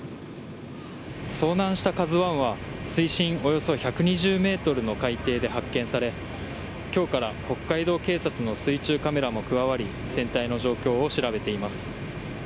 遭難したＫＡＺＵ１は水深およそ１２０メートルの海底で発見され今日から北海道警察の水中カメラも加わり船体の状況を調べています。